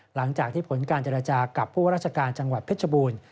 หลังจากที่ผลการเจรจากับผู้ว่าราชการจังหวัดเพชรบูรณ์